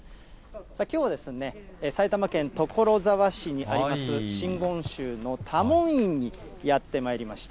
きょうは、埼玉県所沢市にあります、真言宗の多聞院にやって参りました。